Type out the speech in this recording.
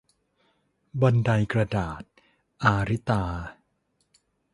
บันไดกระดาษ - อาริตา